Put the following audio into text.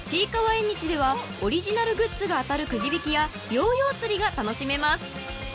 縁日ではオリジナルグッズが当たるくじ引きやヨーヨーつりが楽しめます］